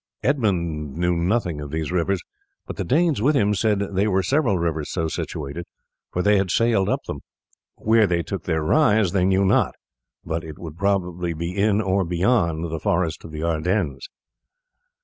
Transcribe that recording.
Edmund knew nothing of these streams; but the Danes with him said there were several rivers so situated, for they had sailed up them. Where they took their rise they knew not, but it would probably be in or beyond the forest of Ardennes.